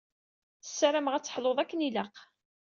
Sarameɣ ad teḥluḍ akken ilaq.